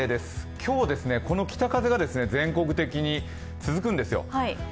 今日、この北風が全国的に続くんですよ。